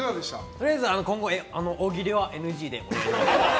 とりあえず今後、大喜利はＮＧでお願いします。